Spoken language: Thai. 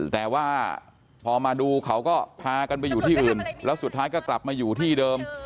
แต่ว่าพอมาดูเขาก็พากันไปอยู่ที่อื่นแล้วสุดท้ายก็กลับมาอยู่ที่เดิม